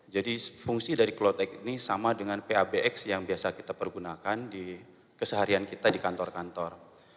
fungsi dari cloud x ini sama dengan pabx yang biasa kita pergunakan di keseharian kita di kantor kantor